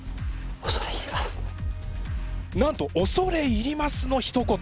なんと「恐れ入ります」のひと言。